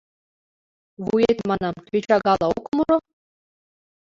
Вует, манам, кӧчагала ок муро?